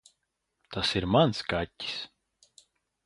Tas ir mans kaķis.